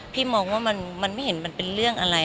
พี่มองว่ามันไม่เห็นมันเป็นเรื่องอะไร